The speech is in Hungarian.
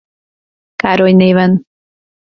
Károly néven.